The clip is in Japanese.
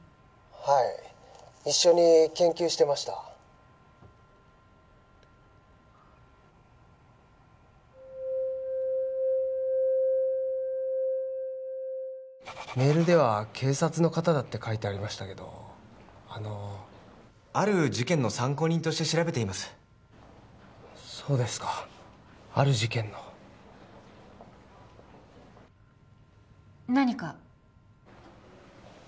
はい一緒に研究してましたメールでは警察の方だって書いてありましたけどあのある事件の参考人として調べていますそうですかある事件の何か？